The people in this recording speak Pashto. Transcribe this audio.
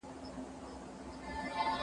تاسې چېرته ټکټ اخلئ؟